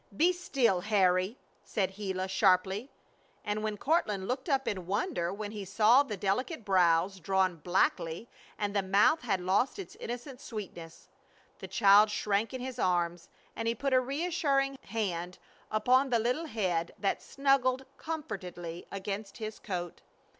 "Be still, Harry!" said Gila, sharply, and when Courtland looked up in wonder he saw the delicate brows drawn blackly, and the mouth had lost its innocent sweetness. The child shrank in his arms, and he put a reassuring hand upon the little head that snuggled comfortedly against his coat.